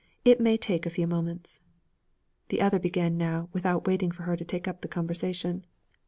It may take a few moments.' The other began now, without waiting for her to take up the conversation.